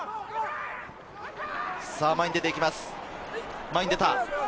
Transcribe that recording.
前に出ていきます。